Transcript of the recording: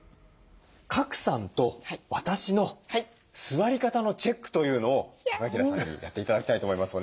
賀来さんと私の座り方のチェックというのを高平さんにやって頂きたいと思います。